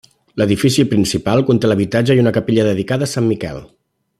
L'edifici principal conté l'habitatge i una capella dedicada a Sant Miquel.